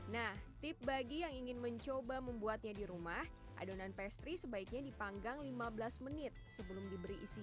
nah tip bagi yang ingin mencoba membuatnya di rumah adonan pastry sebaiknya dipanggang lima belas menit sebelum diberi isi